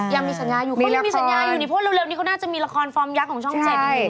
ยังมีสัญญาอยู่เขายังมีสัญญาอยู่นี่เพราะเร็วนี้เขาน่าจะมีละครฟอร์มยักษ์ของช่องเจ็ดอยู่